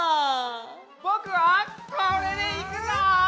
ぼくはこれでいくぞ！